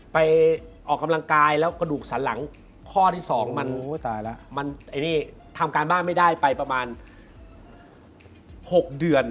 ไปออกกำลังกายแล้วกระดูกสันหลังข้อที่๒มันทำการบ้านไม่ได้ไปประมาณ๖เดือน